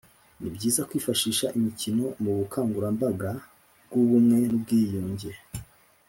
Ni byiza kwifashisha imikino mu bukangurambaga bw’ubumwe n’ubwiyunge